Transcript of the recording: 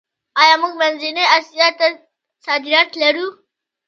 آیا موږ منځنۍ اسیا ته صادرات لرو؟